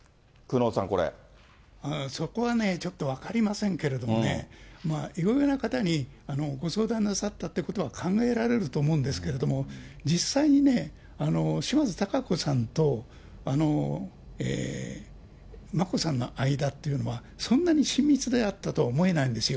そこはね、ちょっと分かりませんけれどもね、いろいろな方にご相談なさったということは、考えられると思うんですけれども、実際に島津貴子さんと眞子さんの間っていうのは、そんなに親密であったとは思えないんですよ。